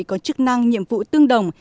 có chức năng nhiệm vụ tương đồng